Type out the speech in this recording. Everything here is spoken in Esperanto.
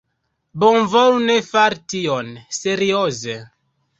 Bonvolu ne fari tion. Serioze!